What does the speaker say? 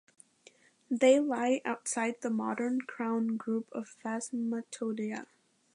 They lie outside the modern crown group of Phasmatodea.